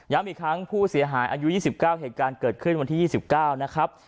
ย้ำอีกครั้งผู้เสียหายอายุยี่สิบเก้าเหตุการณ์เกิดขึ้นวันที่ยี่สิบเก้านะครับ